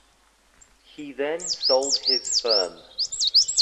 He then sold his firm.